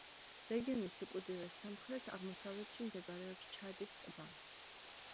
რეგიონის უკიდურეს სამხრეთ-აღმოსავლეთში მდებარეობს ჩადის ტბა.